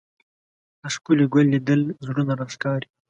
د ښکلي ګل لیدل زړونه راښکاري